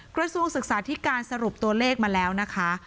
กระทรวงศึกษาธิการสรุปตัวเลขมาแล้วนะคะ